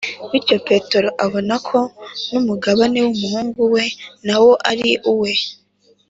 bityo petero abona ko n’umugabane w’umuhungu we nawo ari uwe.